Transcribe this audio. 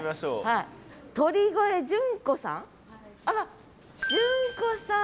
あら淳子さん。